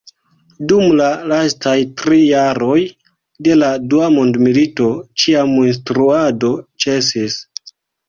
Dum la lastaj tri jaroj de la Dua mondmilito ĉia instruado ĉesis.